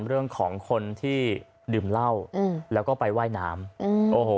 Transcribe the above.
เรื่องของคนที่ดื่มเหล้าอืมแล้วก็ไปว่ายน้ำอืมโอ้โห